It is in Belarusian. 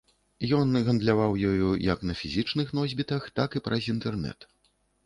Ён гандляваў ёю як на фізічных носьбітах, так і праз інтэрнэт.